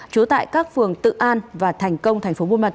trú tại các phường tự an và thành công tp hcm